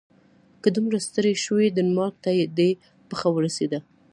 که دومره ستړی شوې ډنمارک ته دې پښه ورسیده.